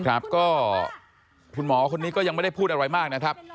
ครับก็คุณหมอคนนี้ก็ยังไม่ได้พูดอะไรมากนะครับ